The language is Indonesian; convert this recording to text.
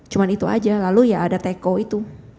cuma itu aja lalu ya ada teko itu